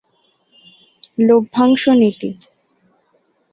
গ. লভ্যাংশ নীতি